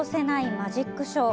マジックショー。